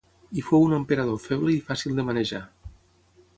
Hi fou un emperador feble i fàcil de manejar.